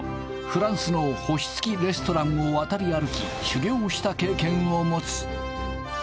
フランスの星付きレストランを渡り歩き修業をした経験を持つ